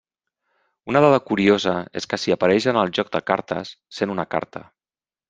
Una dada curiosa és que si apareix en el joc de cartes, sent una carta.